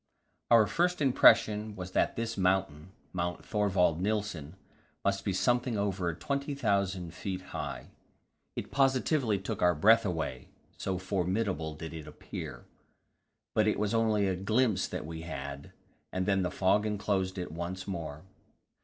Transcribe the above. Our first impression was that this mountain Mount Thorvald Nilsen must be something over 20,000 feet high; it positively took our breath away, so formidable did it appear. But it was only a glimpse that we had, and then the fog enclosed it once more.